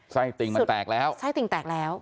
ติ่งมันแตกแล้วไส้ติ่งแตกแล้ว